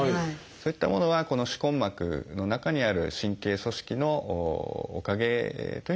そういったものはこの歯根膜の中にある神経組織のおかげというふうに考えられております。